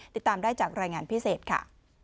ติดตามได้จากรายงานพิเศษค่ะ